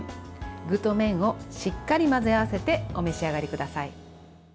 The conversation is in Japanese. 具と麺をしっかり混ぜ合わせてお召し上がりください。